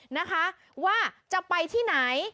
นะคะว่าจะไปที่ไหน